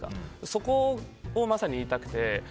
そこをまさに言いたくて。